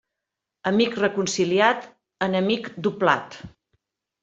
Amic reconciliat, enemic doblat.